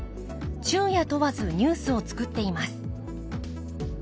昼夜問わずニュースを作っています。